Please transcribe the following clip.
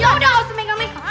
yaudah jangan nyolot